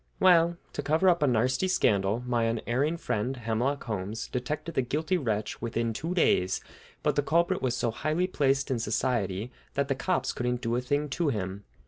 Well, to cover up a "narsty" scandal, my unerring friend, Hemlock Holmes, detected the guilty wretch within two days, but the culprit was so highly placed in society that the cops couldn't do a thing to him.